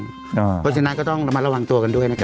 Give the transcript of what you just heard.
เพราะฉะนั้นก็ต้องระมัดระวังตัวกันด้วยนะครับ